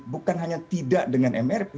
bukan hanya tidak dengan mrp